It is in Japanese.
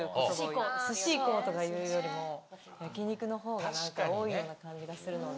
すし行こうとかいうよりも、焼き肉のほうが多いような感じがするので。